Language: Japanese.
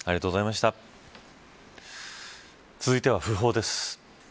続いては訃報です。